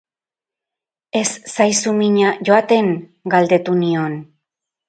Ez zaizu mina joaten?, galdetu nion.